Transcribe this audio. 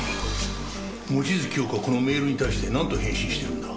望月京子はこのメールに対してなんと返信してるんだ？